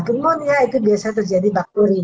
penimunia itu biasanya terjadi bakteri